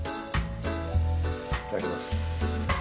いただきます。